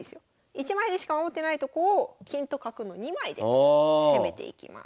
１枚でしか守ってないとこを金と角の２枚で攻めていきます。